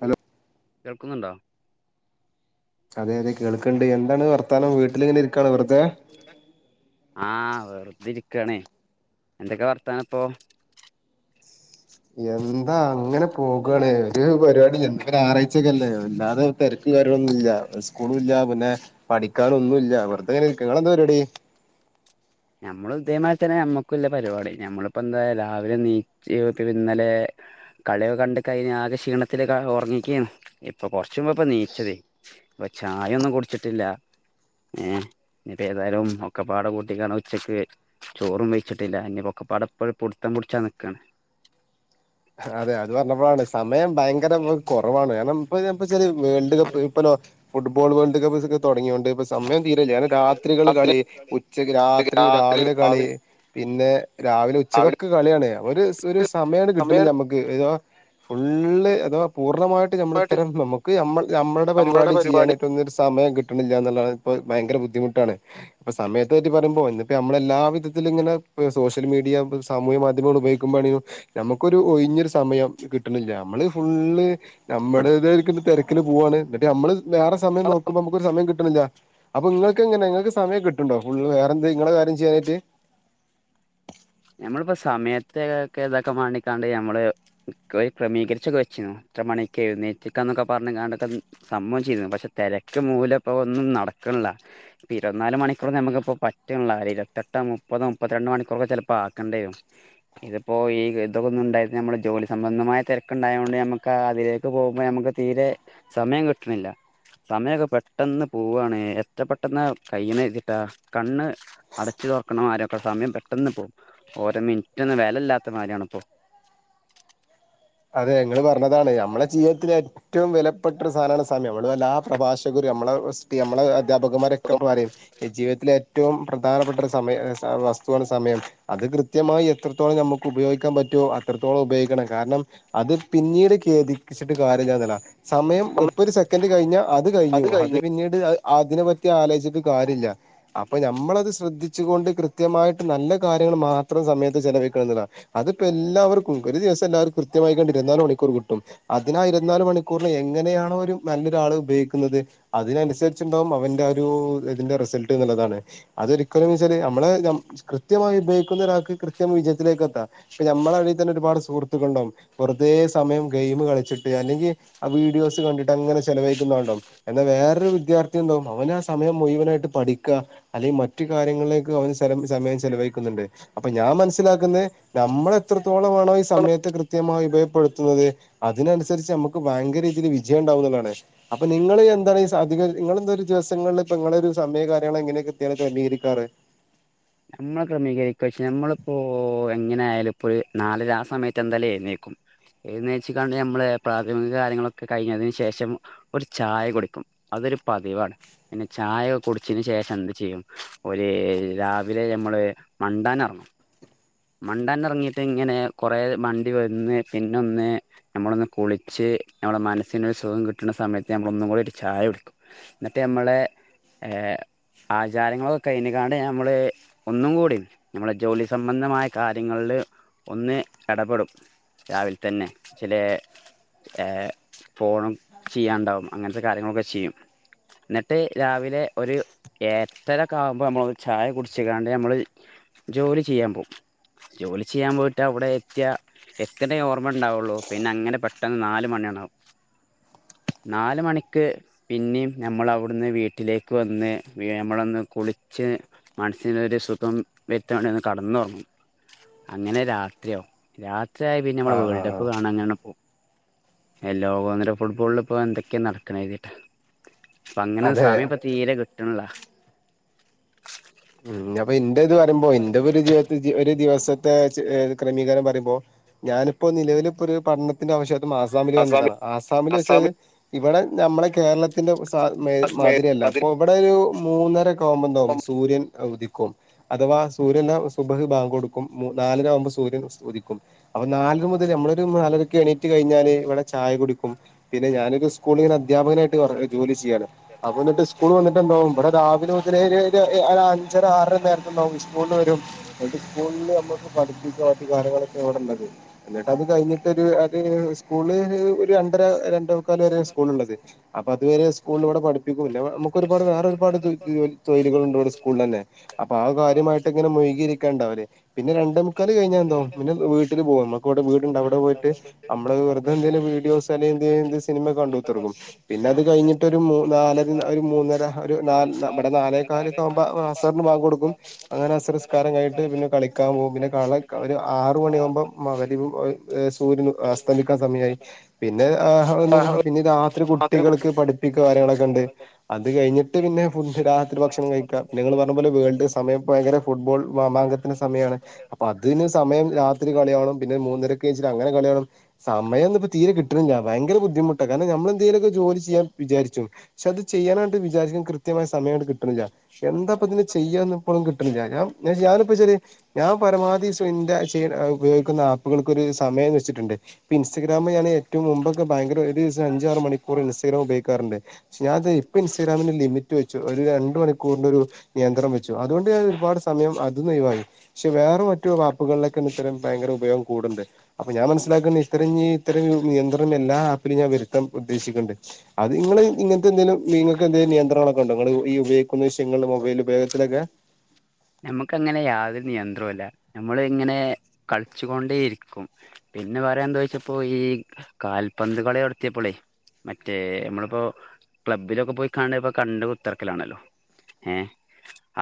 Hello കേൾക്കുന്നുണ്ടോ അതെ അതെ കേൾക്ക്ണ്ട് എന്താണ് വർത്താനം വീട്ടിലിങ്ങനെ ഇരിക്കാണ് വെറുതെ [inaudible] ആ വെറുതെരിക്കാണേ എന്തൊക്കെ വർത്താനം ഇപ്പൊ എന്താ അങ്ങനെ പോകണേ ഒരു പരിപാടി എന്ത ഞറായിച്ചക്കല്ലേ അല്ലാതെ തിരക്ക് കാര്യങ്ങളൊന്നുല്ല ഉസ്കൂളില്ല പിന്നെ പഠിക്കാനൊന്നുല്ല വെറുതെങ്ങനിരിക്കണ് നിങ്ങളെന്താ പരിപാടി ഞമ്മളു ഇതേമാതിരി തന്നെ നമ്മുക്കല്ല പരിപാടി ഞമ്മളിപ്പോ എന്താ രാവിലെ നീ ജീവിതത്തിലിന്നലെ കളിവയൊ കണ്ട് കഴിന് ആകെ ക്ഷീണത്തില് കെടന്ന് ഉറങ്ങീക്കാന്ന് ഇപ്പൊ കൊറച്ച മുമ്പാ ഇപ്പൊ നീച്ചതെ അപ്പൊ ചായൊന്നും കുടിച്ചിട്ടില്ല ഏഹ് ഇത് ഏതായാലും ഒക്കെ പാട കൂട്ടിക്കണ ഉച്ചക്ക് ചോറും വെച്ചിട്ടില്ല ഇനിപ്പൊക്കെപ്പാടെ ഇപ്പഴ് പൊടുത്തം പൊടിച്ചാ നിൽക്കാണ് അതെ അത് പറഞ്ഞപ്പോഴാണ് സമയം ഭയങ്കരമ കൊറവാണ് കാരണം [unintelligible] ച വേൾഡ് കപ്പ് ഇപ്പോ ഫുട്ബോൾ വേൾഡ് കപ്പ്സ്ക്കെ തുടങ്ങിയൊണ്ട് അപ്പ സമയം തീരല്ലേ രാത്രികള് കളി ഉച്ചക്ക് രാത്രി രാവിലെ കളി പിന്നെ രാവിലെ ഉച്ചക്കൊക്ക കളിയാണ് ഒരു ഒരു സമയാണ് കിട്ട മക്ക് ഫുള്ള് അഥവാ പൂർണ്ണമായിട്ട് [unintelligible] നമ്മള് ഇത്തരം നമുക്ക് നമ്മളൾടെ പരുപാടി ചെയ്യാനായി [unintelligible] ഒരു സമയം കിട്ടണില്ലാന്നുള്ള ഇപ്പ ഭയങ്കര ബുദ്ധിമുട്ടാണ് ഇപ്പൊ സമയത്തെ പറ്റി പറയുമ്പോൾ ഇന്നിപ്പോ നമ്മളെല്ലാ വിധത്തിലും ഇങ്ങനെ സോഷ്യൽ മീഡിയ സാമൂഹികമാധ്യമങ്ങൾ ഉപയോഗിക്കുമ്പോളാണ് ഞമ്മക്കൊരു ഒഴിഞ്ഞൊരു സമയം കിട്ടണില്ല നമ്മള് ഫുള്ള് നമ്മുടെ ഇതരിക്കുന്ന തെരക്കില് പോവാണ് ന്ന്ട്ട് നമ്മള് വേറെ സമയം നോക്കുമ്പോ നമുക്കൊരു സമയം കിട്ടും കിട്ട്ന്നില്യ അപ്പം നിങ്ങൾക്കെങ്ങനെ ങ്ങക്ക് സമയം കിട്ട്ണ്ടോ ഫുള്ള് വേറെന്ത് നിങ്ങളെ കാര്യം ചെയ്യാനായിട്ട് ഞമ്മളിപ്പൊ സമയത്തെ താക്കെ ഇതൊക്കെ മാനിക്കാണ്ട് നമ്മള് റിക്കവൈ ക്രമീകരിച്ചൊക്കെ വച്ചിരുന്നു ഇത്ര മണിക്ക് എഴ്ന്നേൽപിക്കാ ന്നൊക്കെ പറഞ് ങ്ങാണ്ട് ത- സംഭവം ചെയ്തിരുന്നു പക്ഷെ തെരക്ക് മൂലം ഇപ്പൊ ഒന്നും നടക്ക്‌ൺല്ല ഇപ്പ ഇരുവത്ത് നാല് മണിക്കൂർ ഞമ്ക്ക് ഇപ്പൊ പറ്റ്ൺലാ ഒരു ഇരുവത്തെട്ടോ മുപ്പതോ മുപ്പത്തി രണ്ട് മണിക്കൂറൊക്കെ ചിലപ്പൊ- പ്പാക്കണ്ടി വരും ഇത് പ്പോ ഈ ഗദ്ധം ഒന്നും ഉണ്ടായിട്ട് നമ്മളെ ജോലി സംബന്ധമായ തെരക്ക് ഇണ്ടായോണ്ട് ഞമ്മക്ക് ആ അതിലെ- ഇപ്പൊ പോകുമ്പോ ഞമ്മക്ക് തീരെ സമയം കിട്ട്ണില്ല സമയൊക്കെ പെട്ടന്ന് പൂവാണ് എത്ര പെട്ടെന്നാ കയ്യ്ണ് വെച്ച്ട്ടാ കണ്ണ്- അടച്ചു തൊർക്കണ മാരി ഒക്കെ സമയം പെട്ടെന്ന് പോവും ഓരോ മിൻറ്റൊന്നും വെല ഇല്ലാത്ത മാരിയാണ് ഇപ്പൊ അതെ ഇങ്ങള് പറഞ്ഞതാണ് ഞമ്മളെ ജീവിതത്തിൽ ഏറ്റ്- റ്റവും വിലപ്പെട്ട ഒരു സാനാണ് സമയം നമ്മളെ എല്ലാ പ്രഭാഷകരും നമ്മളെ എസ്‌പി നമ്മളെ അധ്യാപകന്മാരൊക്കെ പറയും ഈ ജീവിതത്തിലെ ഏറ്റവും പ്രധാനപ്പെട്ട ഒരു സമയം സ വസ്തുവാണ് സമയം. അത് കൃത്യമായി എത്രത്തോളം നമുക്ക് ഉപയോഗിക്കാൻ പറ്റുവോ അത്രത്തോളം ഉപയോഗിക്കണം കാരണം. അത് പിന്നീട് കേദിച്ചിട്ട് കാര്യം ഇല്ലടാ സമയം ഇപ്പൊ ഒരു സെക്കൻ്റ് കഴിഞ്ഞാ അത് കഴിഞ്ഞു അത് പിന്നീട് അതിനെ പറ്റി ആലോജിച്ചിട്ട് കാര്യല്ല അപ്പൊ ഞമ്മളത് ശ്രദ്ധിച്ചു കൊണ്ട് കൃത്യമായിട്ട് നല്ല കാര്യങ്ങൾ മാത്രം സമയത്ത് ചെലവഴിക്കണം എന്നുള്ളതാണ്. അതിപ്പോ എല്ലാവർക്കും ഒരു ദിവസം എല്ലാവർക്കും കൃത്യമായി കൊണ്ട് ഇരുവത്തി നാല് മണിക്കൂറും കിട്ടും അതിനാ ഇരുവത്ത് നാല് മണിക്കൂറില് എങ്ങനെയാണോ ഒരു നല്ലൊരാൾ ഉപയോഗിക്കുന്നത് അതിനനുസരിച്ചുണ്ടാവും അവന്റെ ആ ഒരു ഇതിന്റെ റിസൾട്ട് ന്ന് ള്ളതാണ്. അതൊരിക്കലും ന്ന് വെച്ചാല് നമ്മളെ നം കൃത്യമായി ഉപയോഗിക്കുന്ന ഒരാൾക്ക് കൃത്യം വിജയത്തിലേക്ക് എത്താം പക്ഷെ നമ്മളെ എടേൽ തന്നെ ഒരുപാട് സുഹൃത്തുക്കളുണ്ടാവും വെറുതേ സമയം ഗെയിം കളിച്ചിട്ട് അല്ലെങ്കി അ വീഡിയോസ് കണ്ടിട്ട് അങ്ങനെ ചെലവഴിക്കുന്ന ആള്ണ്ടാവും എന്നാ വേറൊരു വിദ്യാർത്ഥി ഉണ്ടാവും അവനാ സമയം മുഴുവനായിട്ട് പഠിക്കാ അല്ലെങ്കിൽ മറ്റു കാര്യങ്ങളിലേക്കും അവന് ചെലപ്പൊ സമയം ചെലവഴിക്കുന്നുണ്ട്. അപ്പൊ ഞാൻ മനസ്സിലാക്കുന്നത് നമ്മൾ എത്രത്തോളമാണോ ഈ സമയത്തെ കൃത്യ- കൃത്യമായി ഉപയോഗപ്പെടുത്തുന്നത് അതിനനുസരിച്ച് നമക്ക് ഭയങ്കര രീതിയിൽ വിജയം ഉണ്ടാവും എന്നുള്ളതാണ് അപ്പൊ നിങ്ങള് എന്താണ് സ അധികം നിങ്ങള് ഇന്ന് ഒരു ദിവസങ്ങളില് ഇപ്പൊ നിങ്ങള് ഒരു സമയോം കാര്യങ്ങൾ എങ്ങനെയൊക്കെ കൃത്യമായി ക്രെമീകരിക്കാറ് നമ്മൾ ക്രമീകരിക്കും പക്ഷെ നമ്മളിപ്പോ എങ്ങനെ ആയാലും ഇപ്പോ ഒരു നാലര ആ സമയത്ത് എന്തായാലും എഴുന്നേൽക്കും എഴ്‌ന്നേച്ച്ക്കാണ്ട് നമ്മള് പ്രാഥമിക കാര്യങ്ങളൊക്കെ കഴിഞ്ഞതിന് ശേഷം ഒരു ചായ കുടിക്കും അതൊരു പതിവാണ് പിന്നെ ചായ കുടിച്ചതിന് ശേഷം എന്ത് ചെയ്യും ഒര് രാ- പിന്നെ നമ്മള് മണ്ടാൻ എറങ്ങും മണ്ടാൻ എറങ്ങിട്ട് ഇങ്ങനെ കൊറേ മണ്ടി വന്ന് പിനൊന്ന് നമ്മളൊന്ന് കുളിച്ച് നമ്മടെ മനസ്സിന് ഒരു സുഖം കിട്ടണ സമയത്ത് നമ്മള് ഒന്നും കൂടി ഒരു ചായ കുടിക്കും എന്നിട്ട് നമ്മളെ എ ഹേ ആചാരങ്ങളൊക്കെ കഴിഞ്ഞിങ്ങാണ്ട് ഞമ്മള് ഒന്നും കൂടി നമ്മളെ ജോലി സംബന്ധമായ- കാര്യങ്ങൾല് ഒന്ന് എടപെടും രാവിൽ തന്നെ ചിലേ- ഏ ഫോണും ചെയ്യാൻ ഇണ്ടാവും അങ്ങനത്തെ കാര്യങ്ങളൊക്കെ ചെയ്യും. എന്നിട്ട് രാവിലെ ഒരു എട്ടരൊക്കെ ആവുമ്പോ നമ്മൾ ഒരു ചായ കുടിച്ചിക്കാണ്ട് നമ്മള് ജോലി ചെയ്യാൻ പോകും. ജോലി ചെയ്യാൻ പോയിട്ട് അവിടെ എത്തിയ എത്തിയതേ ഓർമ്മ ഉണ്ടാവുള്ളൂ പിന്നെ അങ്ങനെ പെട്ടെന്ന് നാല് മണിയണ്ടാവും നാല് മണിക്ക് പിനേം ഞമ്മളവ്ട്ന്ന് വീട്ടിലേക്ക് വന്ന് വെ നമ്മളൊന്ന് കുളിച്ച് മനസ്സിന് ഒരു സുഖം വെരുത്താൻ വേണ്ടി ഒന്ന് കടന്നൊറങ്ങും അങ്ങനെ രാത്രിയാവും രാത്രിയായ പിന്നെ നമ്മള് ആഹ് വേൾഡ് ആഹ് കപ്പ് കാണാൻ അങ്ങനെ പോകും ഏഹ് ലോകോന്നര ഫുട്ബോളില് ഇപ്പൊ എന്തൊക്കെയാ നടക്കണ്ന്ന് കര്തീട്ടാ അപ്പ അങ്ങനെ അതെ സമയം ഇപ്പോ തീരെ കിട്ടണില്ലാ ഉം അപ്പൊ ഇന്റെ ഇത് പറയുമ്പോ ഇന്റെ ഒരു ജീവിത ഒരു ദിവസത്തെ ചെ ഏഹ് ക്രമീകരണം പറയുമ്പോ ഞാനിപ്പോ നിലവിലിപ്പോ ഒരു പഠനത്തിന്റെ ആവശ്യായിട്ട് മാസ് സ്സാമില് വന്നതാണ് ആസാമില് വെച്ച് ഇവടെ ഞമ്മളെ കേരളത്തിന്റെ സ മേ മാതിരിയല്ലാ അപ്പം ഇവിടെ ഒരു മൂന്നര ഒക്കെ ആവുമ്പോ എന്താവും സൂര്യൻ ആഹ് ഉദിക്കും അഥവാ സൂര്യൻ അല്ലാ സുബ്ഹ് ബാങ്ക് കൊടുക്കും മു നാലരാകുമ്പോ സൂര്യൻ സ് ഉദിക്കും അപ്പൊ നാലര മുതല് നമ്മളൊരു നാലരെക്ക് എണീറ്റ് കഴിഞ്ഞാല് ഇവിടെ ചായ കുടിക്കും പിന്നെ ഞാനൊരു സ് സ്കൂളില് അധ്യാപകനായിട്ട് വർ ജോലി ചെയ്യാണ് അപ്പൊ എന്നിട്ട് സ്കൂൾ വന്നിട്ട് എന്താകും ഇവിടെ രാവിലെ മുതലെ ഒര് ഒര് എ [unintelligible] [unintelligible] ഇണ്ടാകും സ്കൂളില് വെരും എന്നിട്ട് സ്കൂളില് നമ്മക്ക് പഠിപ്പിക്കാ മറ്റ് കാര്യങ്ങളൊക്കെ ആണ് ഇവിടെള്ളത് എന്നിട്ട് അത് കഴിഞ്ഞിട്ട് ഒരു അത് സ്കൂള് ഒരു രണ്ടര രണ്ടേമുക്കാല് വെരെയാ സ്കൂള് ഇള്ളത് അപ്പൊ അതുവരെ സ്കൂളിൽ ഇവിടെ പഠിപ്പിക്കും പിന്നെ നമുക്ക് ഒരുപാട് വേറെ ഒരുപാട് തൊ ജോ തൊഴില്കള്ണ്ട് ഇവടെ സ്കൂളിലെന്നെ. അപ്പ ആ കാര്യമായിട്ട് ഇങ്ങനെ മുഴുകിയിരിക്കണ്ട് അവര്. പിന്നെ രണ്ടേ മുക്കാല് കഴിഞ്ഞാ എന്താവും പിന്നെ വീട്ടില് പോകാ ഇമ്മക് [unintelligible] വീട്ണ്ട് അവടെ പോയിട്ട് അമ്മള് വെറുതെ എന്തേലും വീഡിയോസ് അല്ലെ എന്തേ ഹിന്ദി സിനിമേക്കെ കണ്ടു കുത്തിർക്കും. പിന്നെ അത് കഴിഞ്ഞിട്ട് ഒരു മൂ നാലര ഒരു മൂന്നര ഒരു നാല് നാ ഇബടെ നാലേകാലൊക്കെ ആവുമ്പോ [unintelligible] [unintelligible] ബാങ്ക് കൊടുക്കും അങ്ങനെ അസറ്സ്ക്കാരം കയിഞ്ഞിട്ട് പിന്നെ കളിക്കാൻ പോകും പിന്നെ കള ഒരു ആറ് മണിയാകുമ്പോം മഗരിബും ഒ ഏഹ് സൂര്യനും അസ്തമിക്കാൻ സമയായി പിന്നെ [unintelligible] പിന്നെ രാത്രീല് കുട്ടികളെ പഠിപ്പിക്കാ കാര്യങ്ങളൊക്കെ ഇണ്ട്. അത് കഴിഞ്ഞിട്ട് പിന്നെ ഫുഡ് രാത്രി ഭക്ഷണം കഴിക്കാ പിന്നെ നിങ്ങൾ പോലെ വേൾഡ് സമയം ഇപ്പം ഭയങ്കര ഫുട്ബോൾ മാമാങ്കത്തിൻ്റെ സമയാണ്. അപ്പൊ അതിന് സമയം രാത്രി കളി കാണും പിന്നെ മൂന്നരെക്ക് എനീച്ച് അങ്ങനെ കളി കാണും. സമയൊന്നും ഇപ്പൊ തീരെ കിട്ട്ണില്ലാ ഭയങ്കര ബുദ്ധിമുട്ടാണ് കാരണം നമ്മള് എന്തെലൊക്കെ ജോലി ചെയ്യാൻ വിചാരിച്ചും പക്ഷെ അത് ചെയ്യാനായിട്ട് വിചാരിക്കും കൃത്യമായ സമയാട്ട് കിട്ട്ണില്ലാ എന്താ ഇപ്പം ഇതിന് ചെയ്യാന്ന് ഇപ്പളും കിട്ട്ണില്ലാ ഞാ ഞാനിപ്പോച്ചാല് ഞാൻ പരമാവധി സ്വ ഇൻ്റെ ചെയ് ഉപയോഗിക്കുന്ന ആപ്പുകൾക്കൊരു സമയം വെച്ചിട്ടുണ്ട്. ഇപ്പ ഇൻസ്റ്റഗ്രാമ് ഞാന് എറ്റവും മുമ്പൊക്കെ ഭയങ്കര ഒരുദിവസം അഞ്ചറും ആറും മണിക്കൂറൊക്കെ ഇൻസ്റ്റഗ്രാം ഉപയോഗിക്കാറുണ്ട് പക്ഷെ ഞാൻ ഇത് ഇപ്പ ഇൻസ്റ്റഗ്രാമിന് ലിമിറ്റ് വെച്ചു ഒരു രണ്ടു മണിക്കൂറിൽ ഒരു നിയന്ത്രണം വെച്ചു അതുകൊണ്ട് ഞാൻ ഒരുപാട് സമയം അത് ന്ന് ഒയിവായി. പക്ഷെ വേറെ മറ്റു ആപ്പുകളിലൊക്കെയാണ് ഇത്തരം ഭയങ്കര ഉപയോഗം കൂട്ണ്ട്. അപ്പൊ ഞാൻ മനസ്സിലാക്കുന്നെ ഇത്തരം ഇഞ്ഞി ഇത്തരം ഒരു നിയന്ത്രണം എല്ലാ ആപ്പിലും ഞാൻ വെരുത്താൻ ഉദ്ദേശിക്ക്ണ്ട്. അത് ഇങ്ങള് ഇങ്ങൻത്തെ എന്തെലും ഇങ്ങക്ക് എന്തേം നിയന്ത്രണൊക്കെ ഇണ്ടോ ഇങ്ങള് ഈ ഉപയോഗിക്കുന്ന വിഷയങ്ങള് മൊബൈലും ഉപയോഗത്തിലൊക്കെ ഞമ്മക്ക് അങ്ങനെ യാതൊരു നിയന്ത്രോല്ലാ ഞമ്മള് ഇങ്ങനെ കളിച്ചുകൊണ്ടേ ഇരിക്കും. പിന്നെ വേറെ എന്തോ ചോയിച്ചപ്പോ ഈ കാൽപന്തുകളി നടത്തിയപ്പളെ മറ്റേ നമ്മളിപ്പോ ക്ലബ്ബിലൊക്കെ പോയിക്കാണ്ട് ഇപ്പൊ കണ്ട് കുത്തിർക്കലാണല്ലോ? ഏഹ്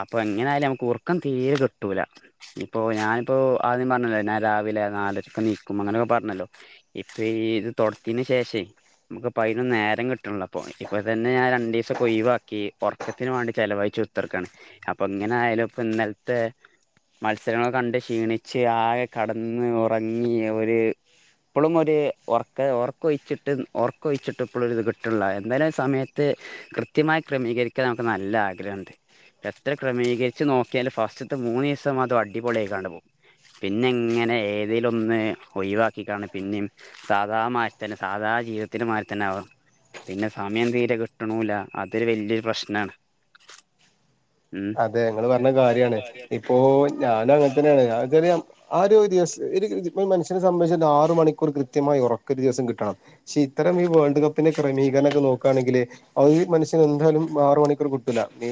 അപ്പൊ എങ്ങനായാലും നമ്മക്ക് ഒറക്കം തീരെ കിട്ടൂലാ. ഇപ്പൊ ഞാനിപ്പോ ആദ്യം പറഞ്ഞല്ലോ ഞാൻ രാവിലെ നാലരെക്ക് എണീക്കും അങ്ങനെയൊക്കെ പറഞ്ഞല്ലോ? ഇപ്പ ഈ ഇത് തൊടത്തിന് ശേഷേ നമ്മക്ക് ഇപ്പ അയിനൊന്നും നേരം കിട്ടണില്ലാ. ഇപ്പോ ഇപ്പ തന്നെ ഞാൻ രണ്ടീസൊക്കെ ഒയിവാക്കി. ഒറക്കത്തിന് വേണ്ടി ചെലവഴിച്ചു കുത്തർക്കാണ് അപ്പൊ ഇങ്ങനെ ആയാലും ഇപ്പൊ ഇന്നല്ത്തെ- മത്സരങ്ങളൊക്കെ കണ്ട് ക്ഷീണിച്ച് ആകെ കടന്ന് ഉറങ്ങി. ഒരു- ഇപ്പളും ഒര് ഒറ്ക്ക് ഒറക്കൊഴിച്ചിട്ട് ഒർക്കൊഴിച്ചിട്ടും ഇപ്പളും ഇത് കിട്ട്ണ്ല്ല. ഇന്നലെ സമയത്ത് കൃത്യമായി ക്രമീകരിക്കാൻ നമുക്ക് നല്ല ആഗ്രഹം ഉണ്ട്. എത്ര ക്രമീക വച്ച് നോക്കിയാൽ ഫസ്റ്ററ്റ് മൂന്ന് ദിവസം അടിപൊളിയായിക്കാണ്ട് പോകും. പിന്നെ ഇങ്ങനെ ഏതേലും ഒന്ന് ഒഴിവാക്കിക്കാണ്ട് പിന്നിം- സാധാ മായിരി തന്നെ സാധാ ജീവിതത്തിന്റെ മായിരി തന്നെ ആവാ. പിന്നെ സമയം തീരെ കിട്ട്ണൂല്ല. അതൊരു വല്യയൊരു പ്രശ്നാണ്. ഉം അതെ ഇങ്ങള് പറഞ്ഞ കാര്യാണ്. ഇപ്പോ ഞാന് അങ്ങന് തന്നെയാണ്. ഞാ ഇത്വരെ ആ ഒരു ദിവസ് ഒര് ഇപ്പൊ മനുഷ്യനെ സംബന്ധിച്ച് ആറു മണിക്കൂർ കൃത്യമായി ഉറക്ക് ഒരു ദിവസം കിട്ടണം. പക്ഷെ ഇത്തര ഈ വോൾഡ്പ്പിന്റെ ക്രമീകരണൊക്കെ നോ യാണെങ്കിൽ അഹ് ഈമനുഷ്യൻ എന്തായാലും ആറ് മണിക്കൂർ കിട്ടൂല്ല. നീ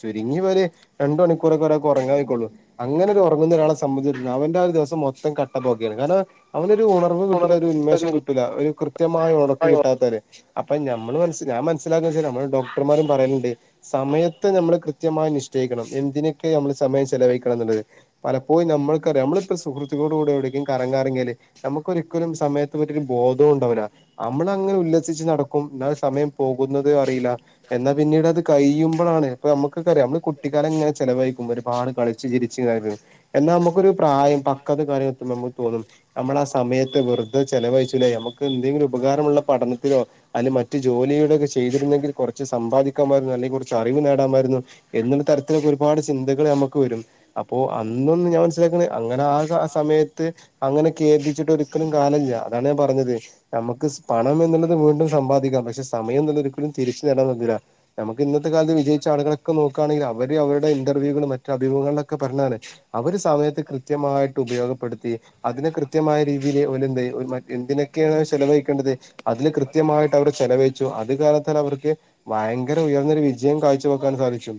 ചുരുങ്ങിപ്പൊര് രണ്ട് മണിക്കൂറൊക്കെ ഒരാൾക്ക് ഉറങ്ങാ വെയിക്കൊള്ളൂ. അങ്ങനെ ഒരു ഉറങ്ങുന്ന ഒരാളെ സംബന്ധിച്ച് അവന്റെ ആ ഒരു ദിവസം മൊത്തം കട്ടക്ക് ഓക്കെയാണ്. കാരണം അവനൊരു ഉണ ഒന്നും കിട്ടൂല്ല. ഒരു ഉന്മേഷും കിട്ടൂല്ല. ഒരു കൃത്യമായ ഉറക്ക് കിട്ടാത്തവര്. അപ്പൊ നമ്മള് മനസ് ഞാൻ മനസ്സിലാക്കെച്ചാൽ നമ്മള് ഡോക്ടർമാരും പറയിണ്ട് സമയത്ത് നമ്മൾ കൃ കൃത്യമായി നിശ്ചയിക്കണം. എന്തിനൊക്കെ നമ്മള് സമയം ചെലവഴിക്കണം എന്നുള്ളത്. പലപ്പോഴും ഈ നമ്മൾക്കറിയാം നമ്മളിപ്പോ സുഹൃത്തക്കളോട് കൂടെ എവിടേക്കലും കറങ്ങാൻ ഇറങ്ങിയാല് നമുക്കൊരിക്കലും സമയത്ത്- ഒറ്റണ്ണതിനും ബോധൂണ്ടാവൂല്ല. അമ്മള് അങ്ങനെ ഉല്ലസിച്ച് നടക്കും. എന്നാൽ സമയം പോകുന്നത് അറിയീല്ല. എന്നാ പിന്നീട് അത് കഴിയുമ്പോഴാണ് ഇപ്പൊ നമുക്ക് നമ്മുക്ക്‌ അറിയാം നമ്മള് കുട്ടിക്കാലം ഇങ്ങനെ ചെലവഴിക്കുമ്പൊ ഒരുപാട് കളിച്ച് ചിരിച്ച് ഇങ്ങനെ ഇരുന്ന്. എന്നാ നമുക്കൊരു പ്രായം പക്ക്വതൊക്കെ എത്തുമ്പോ നമുക്ക് തോന്നും നമ്മള്ആ സമയത്ത് വെറുതെ ചെലവഴിച്ചൂലെ നമുക്ക് എന്തെങ്കിലും ഉപകാരമുള്ള പഠനത്തിലോ അല്ലെ മറ്റ് ജോലിയുടെ ഒക്കെ ചെയ്തിരുന്നെങ്കിൽ കൊറച്ച് സമ്പാദിക്കാമായിരുന്നു. അല്ലെങ്കിൽ കൊറച്ച് അറിവ് നേടാമായിരുന്നു. എന്നുള്ള തരത്തിലൊക്കെ ഒരുപാട് ചിന്തകൾ നമ്മുക്ക് വരും അപ്പോ അന്നൊന്നും ഞാൻ മനസ്സിലാക്ക്ണെ അങ്ങനെ ആ ആസമയത്ത് അങ്ങനെ കേദിച്ചിട്ട് ഒര് കാര്യൂല്ല. അതാ ഞാൻ പറഞ്ഞത്. നമക്ക് സ് പണം എന്നുള്ളത് വീണ്ടും സമ്പാദിക്കാം. പക്ഷെ സമയം എന്നുള്ളത് ഒരിക്കലും തിരിച്ചു നേടാൻ കഴിയൂല്ല. നമുക്ക് ഇന്നത്തെ കാലത്ത് വിജയിച്ച ആളുകളൊക്കെ നോക്കുകയാണെങ്കിൽ അവര് അവരുടെ ഇന്റർവ്യൂയിലും മറ്റു അഭിമുഖങ്ങളിലൊക്കെ പറിണറിയൊ- അവര് സമയത്ത്കൃത്യമായിട്ട് ഉപയോഗപ്പെടുത്തി അതിന് കൃത്യമായ രീതിയിൽ ഓല്ന്തെയ്യും എന്തിനൊക്കെയാണോ ചെലവഴിക്കേണ്ടത് അതില് കൃത്യമായിട്ട് അവർ ചെലവഴിച്ചു. അത് കാലത്താല് അവർക്ക് ഭയങ്കര ഉയർന്നൊരു വിജയം കാഴ്ച വെക്കാൻ സാധിച്ചു.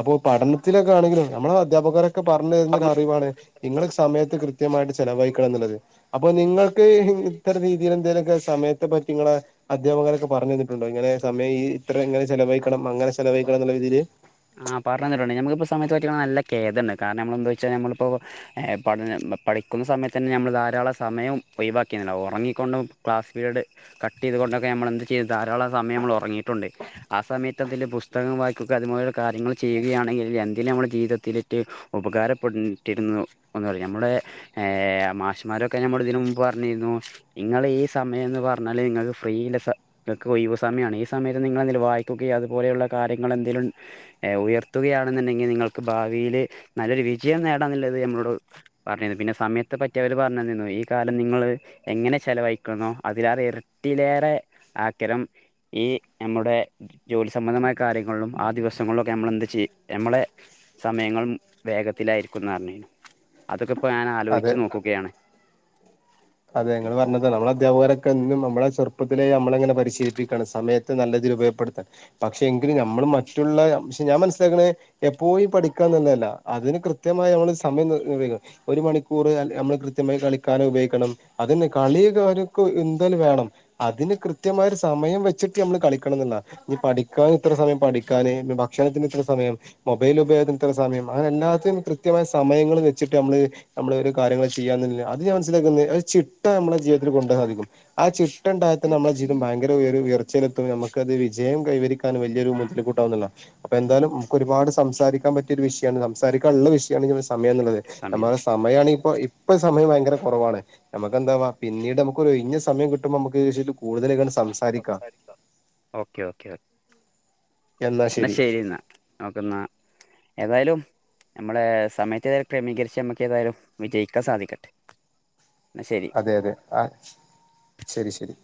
അപ്പൊ പഠനത്തിലൊക്കെ ആണെങ്കിലും നമ്മളെ അധ്യാപകരൊക്കെ പറഞ്ഞു തരുന്ന ഒരറിവാണ് നിങ്ങൾ സമയത്ത് കൃത്യമായിട്ട് ചെലവഴിക്കണം എന്നുള്ളത്. അപ്പൊ നിങ്ങൾക്ക് ഇത്തരം രീതിയിൽ എന്തേലുമൊക്കെ സമയത്തെ പറ്റി ഇങ്ങളെ അധ്യാപകര് ഒക്കെ പറഞ്ഞ് തന്നിട്ടുണ്ടോ? ഇങ്ങനെ സമയം ഈ ഇത്ര ഇങ്ങനെ ചെലവഴിക്കണം അങ്ങനെ ചെലവഴിക്കണം എന്നുള്ള രീതിയില് ആ പറഞ്ഞ് തന്നിട്ടുണ്ട്. നമ്മക്ക് ഇപ്പോ സമയത്തെ പറ്റിയൊക്കെ നല്ല കേദണ്ട്. കാരണം നമ്മൾ എന്താ വെച്ചാൽ നമ്മളിപ്പോ പഠന പഠിക്കുന്ന സമയത്ത് തന്നെ നമ്മൾ ധാരാളംസമയം ഒഴിവാക്കിട്ടുണ്ടാവും ഉറങ്ങിക്കോണ്ടും ക്ലാസ്സ്പീരഡ് കട്ട് ചെയ്തു കൊണ്ടൊക്കെ നമ്മൾ എന്ത് ചെയ്യും ധാരാളം സമയം നമ്മൾ ഉറങ്ങിയിട്ടുണ്ട്. ആ സമയത്തൊക്കെ വല്ല പുസ്തകം വായികുക്ക അതു മൂലം കാര്യങ്ങൾ ചെയ്യുകയാണെങ്കിൽ എന്തേലും നമ്മുടെ ജീവിതത്തിലേക്ക് ഉപകാരപ്പെട്ടിരുന്നു. ഒന്നറിയാം നമ്മളെ മാഷന്മാരൊക്കെ നമ്മൾ ഇതിനു മുമ്പ് പറഞ്ഞിരുന്നു ഇങ്ങളെ ഈ സമയം എന്ന് പറഞ്ഞാല് നിങ്ങക്ക് ഫ്രീയുള്ള സമയ നിങ്ങക്ക് ഒഴിവുസമയമാണ് ഈ സമയത്ത് നിങ്ങളെന്തേലും വായിക്കുകോ അതുപോലുള്ള കാര്യങ്ങൾ എന്തേലും ഉയർത്തുകയാണന്നുണ്ടെങ്കിൽ നിങ്ങൾക്ക് ഭാവിൽ നല്ലൊരു വിജയം നേടാൻ എന്നുള്ളത് നമ്മളോട് പറഞ്ഞിരുന്നു പിന്നെ സമയത്ത് പറ്റിയവര് പറഞ്ഞെന്നിനു ഈ കാലം നിങ്ങള് എങ്ങനെ ചെലവഴിക്കുന്നോ അതിലേറെ എരട്ടിലേറെ ആക്കരം ഈ നമ്മുടെ ജോലി സംബന്ധമായ കാര്യങ്ങളിലും ആ ദിവസം ദിവങ്ങളിലൊക്കെ നമ്മള്എന്താ ചെയ്യാ നമ്മളെ സമയങ്ങളും വേഗത്തിലായിരിക്കുംന്നാ പറഞ്ഞേ അതൊക്കെ ഇപ്പം ഞാൻ അതെ ആലോയിച്ച് നോക്കുകയാണ്. അതെ നിങ്ങള് പറഞ്ഞതാ നമ്മളെ അധ്യാപകരൊക്കെ എന്നും നമ്മളെ ചെറുപ്പത്തിലെ നമ്മളെങ്ങനെ പരിശീലിപ്പിക്കാണ് സമയത്ത് നല്ല രീതില് ഉപയോഗപ്പെടുത്താൻ പക്ഷെ എങ്കിലും നമ്മള് മറ്റുള്ളയാ പക്ഷെ ഞാൻ മനസ്സിലാക്ക്ണെ എപ്പോഴും പഠിക്കാം എന്നൊന്നല്ല അതിന് കൃത്യമായി നമ്മള് സമയം നിർവഹിക്കണം ഒരു മണിക്കൂറ് നമ്മള് കൃത്യമായി കളിക്കാനും ഉപയോഗിക്കണം അതന്നെ കളിയൊക്കെ കാര്യൊക്കെ എന്തായാലും വേണം അതിന് കൃത്യമായോര് സമയം വെച്ചിട്ട് നമ്മള് കളിക്കണം എന്നെന്നാ ഇഞ്ഞ് പഠിക്കാൻ ഇത്ര സമയം പഠിക്കാന് പിന്നെ ഭക്ഷണത്തിന് ഇത്ര സമയം മൊബൈൽ ഉപയോഗത്തിന് ഇത്ര സമയം അങ്ങനെ എല്ലാത്തിനും കൃത്യമായ സമയങ്ങള് വെച്ചിട്ട് നമ്മള് നമ്മള് ഒരു കാര്യങ്ങള് ചെയ്യാന്നില്ല അത് ഞാൻ മനസിലാക്കുന്നെ അത് ചിട്ട നമ്മളെ ജീവിതത്തില് കൊണ്ടരണം അധികവും ആ ചിട്ട ഇണ്ടായാ തന്നെ നമ്മളെ ജീവിതം ഭയങ്കര ഉയരും ഉയർച്ചെയ്ലെത്തും നമുക്ക് അത് വിജയം കൈവരിക്കാനും വല്യൊരു മുതൽ കൂട്ടാവും ഇന്ന്ള്ളാ അപ്പം എന്തായാലും നമുക്ക് ഒരുപാട് സംസാരിക്കാൻ പറ്റിയ ഒര് വിഷയാണ് സംസാരിക്കാൻ ഇള്ള വിഷ് [unintelligible] സമയം ഇന്ന്ള്ളത് സമയം നമ്മളെ സമയാണിപ്പോ ഇപ്പ സമയം ഭയങ്കര കൊറവാണ്. നമ്മക്കെന്താവാ പിന്നീട് നമുക്ക് ഒര് ഒഴിഞ്ഞ സമയം കിട്ടുമ്പോ നമ്മക്ക് ഇതില്കൂട്തലായിക്കാണ്ട് സംസാ സംസാരിക്കാം ഓക്കെ ഓക്കെ എന്നാ ഇന്നാ ശരി ശെരി ഇന്നാ ഓക്കെന്നാ ഏതായാലും നമ്മളേ സമയത്തിനനുസരിച്ച് ക്രമീകരിച്ച് നമ്മക്ക് ഏതായാലും വിജയിക്കാൻ സാധിക്കട്ടെ ഇന്നാ ശെരി അതെ അതെ ആഹ് ശെരി ശെരി